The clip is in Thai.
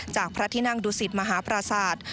จากพระทินั่งดุสิทธิ์มหาปราศาสตร์